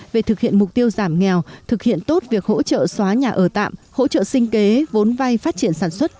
về thực hiện mục tiêu giảm nghèo thực hiện tốt việc hỗ trợ xóa nhà ở tạm hỗ trợ sinh kế vốn vay phát triển sản xuất